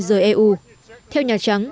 rời eu theo nhà trắng